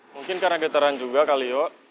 mungkin karena getaran juga kali ya